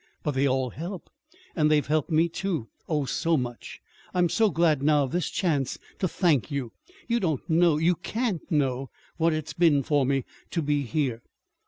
But they all help. And they've helped me, too, oh, so much. I'm so glad now of this chance to thank you. You don't know you can't know, what it's been for me to be here."